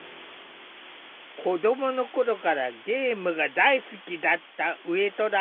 子どもの頃からゲームが大好きだった上虎。